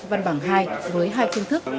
văn bằng hai với hai kiến thức